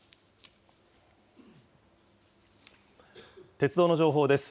鉄道の情報です。